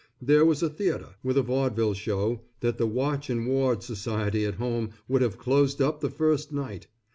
There was a theatre, with a vaudeville show that the Watch and Ward Society at home would have closed up the first night.